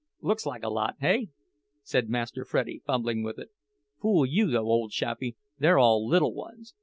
"Looks like a lot, hey?" said Master Freddie, fumbling with it. "Fool you, though, ole chappie—they're all little ones!